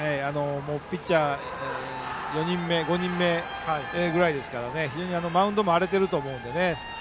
ピッチャー４人目か５人目ぐらいですから非常にマウンドも荒れていると思います。